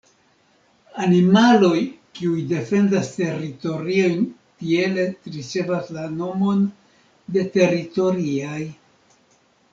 Animaloj kiuj defendas teritoriojn tiele ricevas la nomon de teritoriaj.